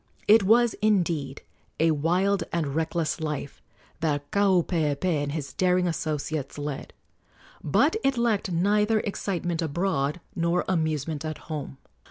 It was indeed a wild and reckless life that Kaupeepee and his daring associates led; but it lacked neither excitement abroad nor amusement at home.